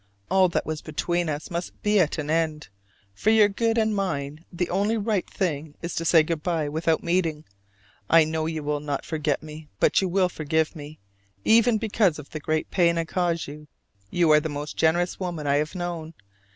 All that was between us must be at an end; for your good and mine the only right thing is to say good by without meeting. I know you will not forget me, but you will forgive me, even because of the great pain I cause you. You are the most generous woman I have known.